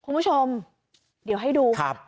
คุณผู้ชมเดี๋ยวให้ดูครับ